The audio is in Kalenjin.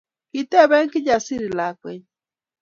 Kitebee Kijasiri lakwenyii